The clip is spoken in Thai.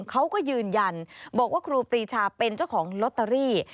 เขาก็ยืนยันบอกว่าครูปรีชาเป็นเจ้าของลอตเตอรี่